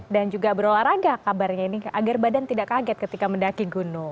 dan juga berolahraga kabarnya ini agar badan tidak kaget ketika mendaki gunung